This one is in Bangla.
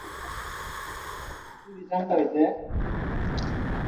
বেশ, দেখি এই খাটাড়া কেমন ভেলকি দেখাতে পারে।